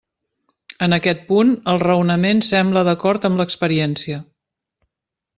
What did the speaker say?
En aquest punt, el raonament sembla d'acord amb l'experiència.